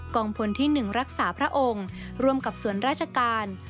งพลที่๑รักษาพระองค์ร่วมกับส่วนราชการ